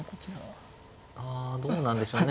あどうなんでしょうね。